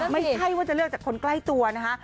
ไม่ใช่ว่าจะเลือกจากคนใกล้ตัวนะคะ